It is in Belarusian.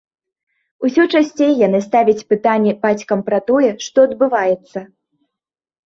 Усё часцей яны ставяць пытанні бацькам пра тое, што адбываецца.